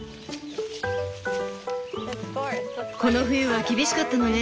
この冬は厳しかったのね。